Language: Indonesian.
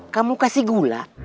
kamu kasih gula